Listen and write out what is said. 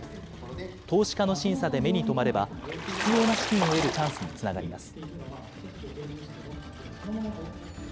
投資家の審査で目に留まれば、必要な資金を得るチャンスにつながります。